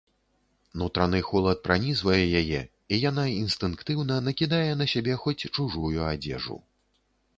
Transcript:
Нутраны холад пранізвае яе, і яна інстынктыўна накідае на сябе хоць чужую адзежу.